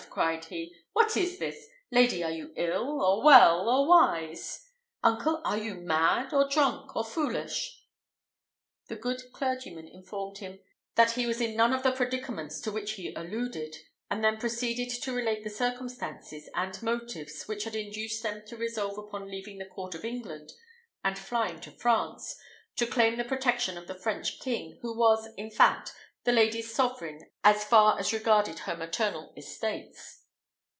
cried he, "what is this? Lady, are you ill, or well, or wise? Uncle, are you mad, or drunk, or foolish?" The good clergyman informed him that he was in none of the predicaments to which he alluded, and then proceeded to relate the circumstances and motives which had induced them to resolve upon leaving the court of England and flying to France, to claim the protection of the French king, who was, in fact, the lady's sovereign as far as regarded her maternal estates.